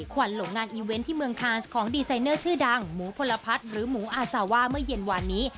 ขวัญหลงงานอีเวนต์ที่เมืองคานส์ของดีไซเนอร์ชื่อดังหมูพลพัฒน์หรือหมูอาซาว่าเมื่อเย็นวานนี้